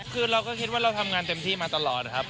คือเราก็คิดว่าเราทำงานเต็มที่มาตลอดนะครับ